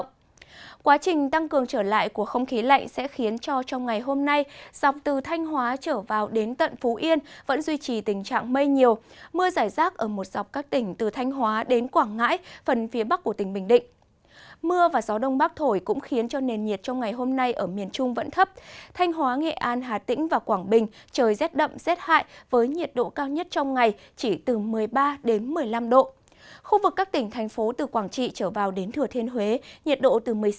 khu vực các tỉnh thành phố từ quảng trị trở vào đến thừa thiên huế nhiệt độ từ một mươi sáu đến một mươi chín độ